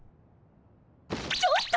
ちょっと！